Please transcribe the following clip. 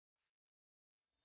tak ada yang ada lagiial untuknya